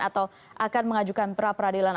atau akan mengajukan pra peradilan